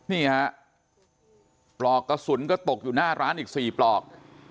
นี่ฮะปลอกกระสุนก็ตกอยู่หน้าร้านอีก๔ปลอก